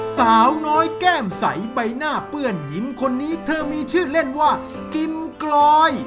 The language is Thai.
สาวน้อยแก้มใสใบหน้าเปื้อนยิ้มคนนี้เธอมีชื่อเล่นว่ากิมกลอย